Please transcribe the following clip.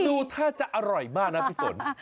ดูท่าจะอร่อยมากนะพี่ฝน